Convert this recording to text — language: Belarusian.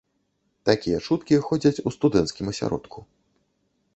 Такія чуткі ходзяць у студэнцкім асяродку.